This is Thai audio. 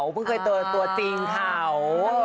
เพิ่งเคยเจอตัวจริงเขา